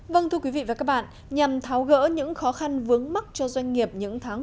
vâng thưa quý vị và các bạn nhằm tháo gỡ những khó khăn vướng mắt cho doanh nghiệp những tháng qua